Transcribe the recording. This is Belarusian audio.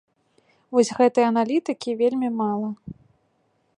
Вось гэтай аналітыкі вельмі мала.